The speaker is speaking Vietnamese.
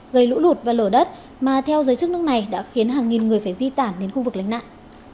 gây lũ lụt và lở đất mà theo giới chức nước này đã khiến hàng nghìn người phải di tản đến khu vực lánh nạn